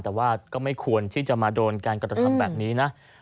แต่ว่าก็ไม่ควรที่จะมาโดนการกระทำแบบนี้นะ